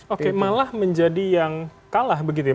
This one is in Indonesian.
oke malah menjadi yang kalah begitu ya